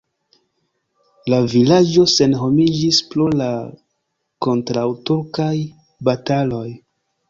La vilaĝo senhomiĝis pro la kontraŭturkaj bataloj.